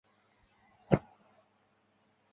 霍亨布伦是德国巴伐利亚州的一个市镇。